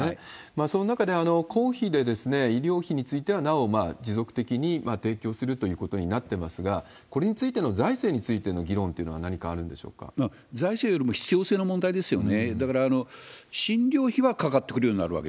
その中で、公費で医療費についてはなお持続的に提供するということになってますが、これについての、財政についての議論というのは何かある財政よりも必要性の問題ですよね。